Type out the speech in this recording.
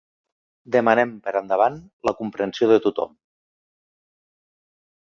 Demanem per endavant la comprensió de tothom.